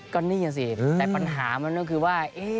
ก็นี่สิแต่ปัญหามันก็คือว่า